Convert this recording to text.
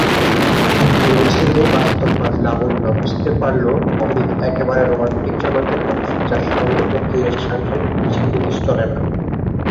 কিন্তু অচিরেই বাস্তববাদী লাবণ্য বুঝতে পারল অমিত একেবারে রোমান্টিক জগতের মানুষ যার সঙ্গে প্রতিদিনের সাংসারিক হিসেব-নিকেশ চলে না।